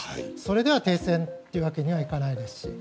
それでは停戦というわけにはいかないですし。